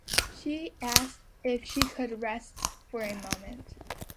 She asked if she could rest for a moment.